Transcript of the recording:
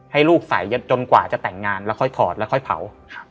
ให้ลูกใส่จนกว่าจะแต่งงานแล้วค่อยถอดแล้วค่อยเผา